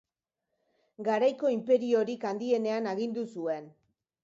Garaiko inperiorik handienean agindu zuen.